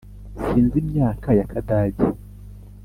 sinzi imyaka ya kadage